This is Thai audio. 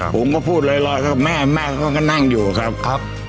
ผมก็พูดร้อยแม่ก็ก็นั่งอยู่ครับ